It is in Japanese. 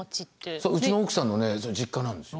そううちの奥さんの実家なんですよ。